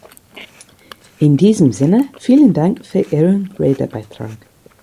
In diesem Sinne vielen Dank für Ihren Redebeitrag!